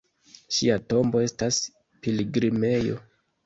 Ŝia tombo estas pilgrimejo.